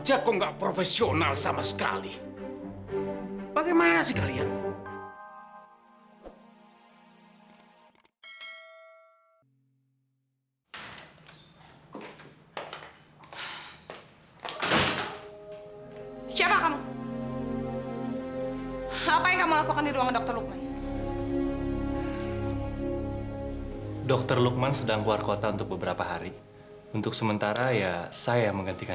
anda persis sekali seperti yang dokter lukman ceritakan ke saya